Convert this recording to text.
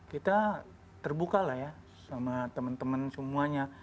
kita terbuka lah ya sama temen temen semuanya